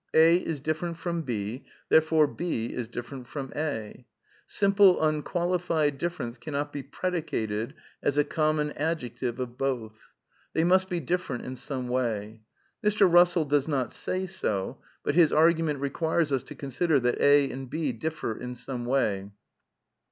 A is different from B, therefore B is different from A. Simple unqualified difference cannot be predicated as a common adjective of both. They must be different in some way. (Mr. Kussell does not say so, but his argument requires us to consider that A and B differ in some way.)